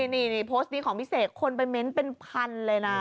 นี่โพสต์นี้ของพี่เสกคนไปเม้นต์เป็นพันเลยนะ